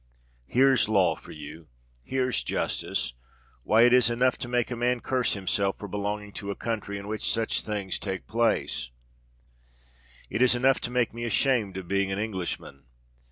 Here's law for you—here's justice! Why—it is enough to make a man curse himself for belonging to a country in which such things take place: it is enough to make me ashamed of being an Englishman!